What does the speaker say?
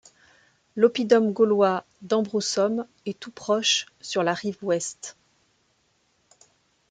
L'oppidum gaulois d'Ambrussum est tout proche sur la rive ouest.